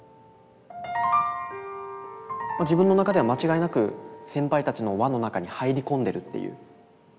まあ自分の中では間違いなく先輩たちの輪の中に入り込んでるっていう。